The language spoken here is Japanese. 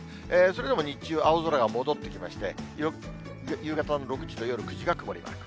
それでも日中、青空が戻ってきまして、夕方の６時と夜の９時が曇りマーク。